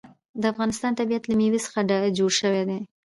د افغانستان طبیعت له مېوې څخه جوړ شوی دی.